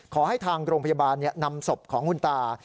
ขอให้ทางโรงพยาบาลนำศพของคุณตา